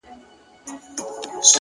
اوس مي تعويذ له ډېره خروښه چاودي”